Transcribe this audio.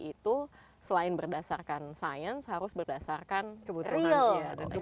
itu selain berdasarkan science harus berdasarkan real